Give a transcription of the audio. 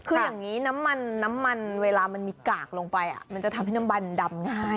คืออย่างนี้น้ำมันน้ำมันเวลามันมีกากลงไปมันจะทำให้น้ำมันดำง่าย